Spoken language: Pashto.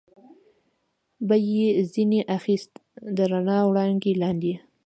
به یې ځنې اخیست، د رڼا وړانګې لاندې.